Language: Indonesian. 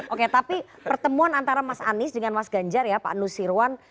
oke tapi pertemuan antara mas anies dengan mas ganjar ya pak nusirwan